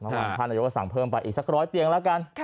ค่ะท่านนโยคสั่งเพิ่มไปอีกสักร้อยเตียงแล้วกัน